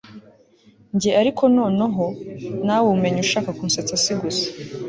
Njye ariko nonoho nawe umenya ushaka kunsetsa si gusa